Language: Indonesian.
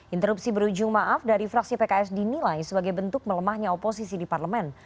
interupsi berujung maaf dari fraksi pks dinilai sebagai bentuk melemahnya oposisi di parlemen